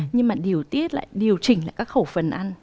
nhưng mà điều tiết lại điều chỉnh lại các khẩu phần ăn